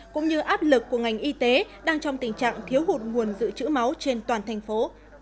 cũng như áp lực của ngành y tế đang trong tình trạng thiếu hụt nguồn dự trữ máu trên toàn thành phố